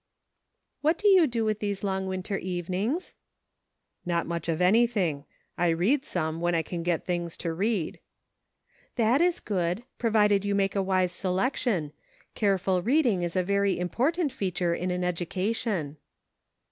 " What do you do with these long winter even ings .?"" Not much of anything ; I read some, when I can get things to read." " That is good ; provided you make a wise selec tion ; careful reading is a very important feature in an education."